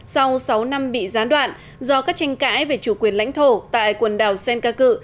sau sáu năm bị gián đoạn do các tranh cãi về chủ quyền lãnh thổ tại quần đảo senkaku